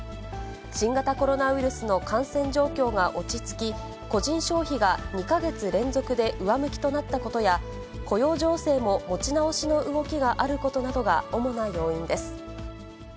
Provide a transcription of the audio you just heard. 新型コロナウイルスの感染状況が落ち着き、個人消費が２か月連続で上向きとなったことや、雇用情勢も持ち直しの動きがあることなどが主な要因です。